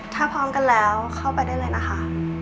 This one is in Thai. ถ้าพร้อมกันแล้วเข้าไปได้เลยนะคะ